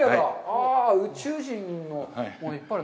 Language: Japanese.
ああ、宇宙人のものいっぱいある。